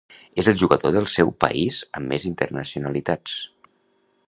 És el jugador del seu país amb més internacionalitats.